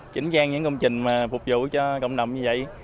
chỉnh gian những công trình mà phục vụ cho cộng đồng như vậy